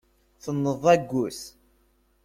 Tenneḍ agus.